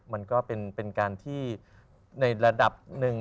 มันก็เป็นการที่ในระดับหนึ่ง